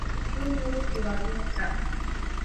ترڅو نورو هېوادونو ته